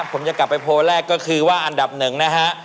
ผมจะกลับไปโพสต์แรกก็คือว่าอันดับ๑นะฮะ